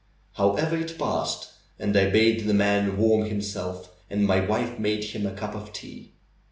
However, it passed, and I bade the man warm him self, and my wife made him a cup of tea.